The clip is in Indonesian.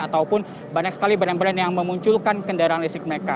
ataupun banyak sekali brand brand yang memunculkan kendaraan listrik mereka